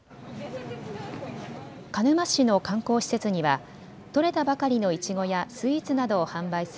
鹿沼市の観光施設には取れたばかりのいちごやスイーツなどを販売する